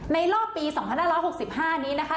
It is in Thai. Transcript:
ในรอบปีสองพันห้าร้อยหกสิบห้านี้นะคะ